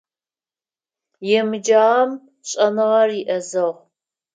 Емыджагъэм шӏэныгъэр иӏэзэгъу.